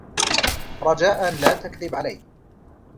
رجاءً لا تكذب علي.